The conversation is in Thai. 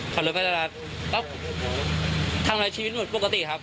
ขับรถไปตลาดก็ทำอะไรชีวิตปกติครับ